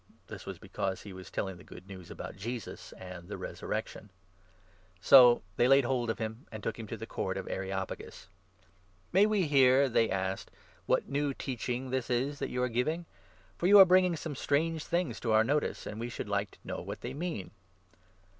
(This was because he was telling the Good News about Jesus and the Resurrec tion). So they laid hold of him and took him to the Court of 19 Areopagus. "May we hear," they asked, "what new teaching this is which you are giving? For you are bringing some strange 20 things to our notice, and we should like to know what they mean."